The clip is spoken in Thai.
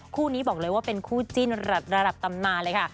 คู่นี้บอกเลยว่าเป็นคู่จิ้นระดับตำนานเลยค่ะ